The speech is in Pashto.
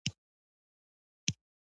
د کرکټ قواعد وخت پر وخت نوي کیږي.